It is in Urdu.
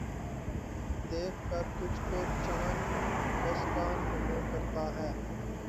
دیکھ کر تجھ کو ، چمن بسکہ نُمو کرتا ہے